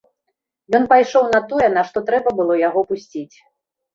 Ён пайшоў на тое, на што трэба было яго пусціць.